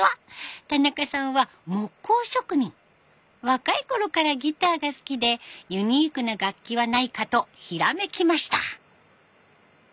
若いころからギターが好きでユニークな楽器はないかとひらめきました。